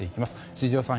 千々岩さん